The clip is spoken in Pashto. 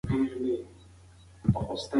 آیا حیات الله کله کلي ته بېرته تللی دی؟